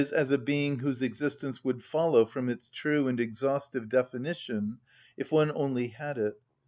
_, as a being whose existence would follow from its true and exhaustive definition if one only had it.